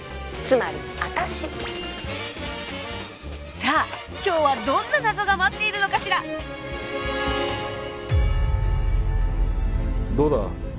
つまり私さあ今日はどんな謎が待っているのかしらどうだ？